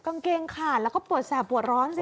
กางเกงขาดแล้วก็ปวดแสบปวดร้อนสิ